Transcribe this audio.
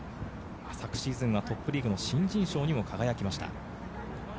昨シーズンはトップリーグの新人賞にも輝きました。